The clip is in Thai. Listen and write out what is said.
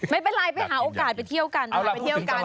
ไม่เป็นไรไปหาโอกาสไปเที่ยวกันนะ